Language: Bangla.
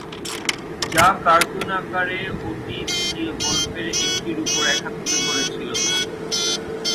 যা কার্টুন আকারে ওটি তৃতীয় গল্পের একটি রূপরেখা তুলে ধরেছিল।